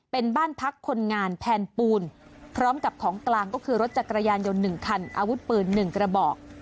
เป็นบ้านพักคนงานแทนปูนพร้อมกับของกลางก็คือรถจักรยานยนต์๑คันอาวุธปืน๑กระบอก